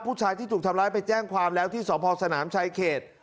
ผู้ชายที่ถูกทำร้ายไปแจ้งความแล้วที่สพสนามชายเขต